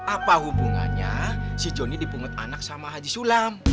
apa hubungannya si joni dipungut anak sama haji sulam